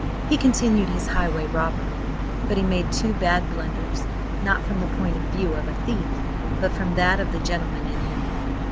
He continued his highway robbery, but he made two bad blunders–not from the point of view of a thief, but from that of the gentleman in him.